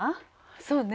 そうね。